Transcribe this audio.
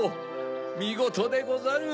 みごとでござる！